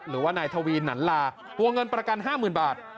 หรือว่านายทวีนหนันลาวงเงินประกัน๕๐๐๐บาท